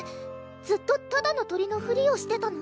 ずっとただの鳥のふりをしてたの？